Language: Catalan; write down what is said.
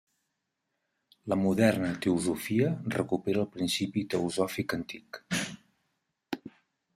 La moderna teosofia recupera el principi teosòfic antic.